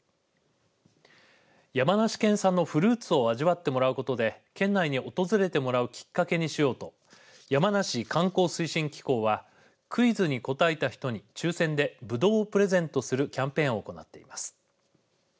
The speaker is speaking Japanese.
山梨県産のフルーツを味わってもらうことで県内に訪れてもらうきっかけにしようとやまなし観光推進機構はクイズに答えた人に抽選でぶどうをプレゼントするキャンペーンを行っています。